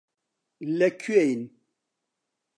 لەکوێین؟